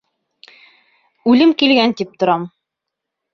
Үлем килгән, тип торам...